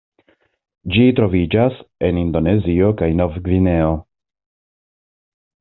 Ĝi troviĝas en Indonezio kaj Novgvineo.